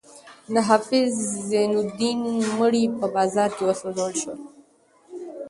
د حافظ زین الدین مړی په بازار کې وسوځول شو.